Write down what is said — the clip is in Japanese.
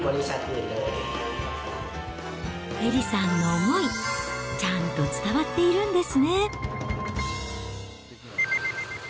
エリさんの思い、ちゃんと伝わっているんですね。